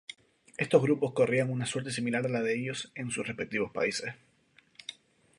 Estos grupos corrían una suerte similar a la de ellos en sus respectivos países.